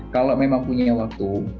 kalau memang punya waktu